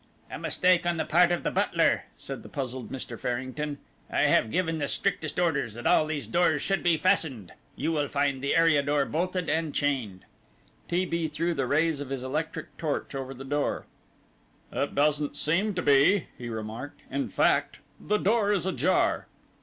"A mistake on the part of the butler," said the puzzled Mr. Farrington. "I have given the strictest orders that all these doors should be fastened. You will find the area door bolted and chained." T. B. threw the rays of his electric torch over the door. "It doesn't seem to be," he remarked; "in fact, the door is ajar."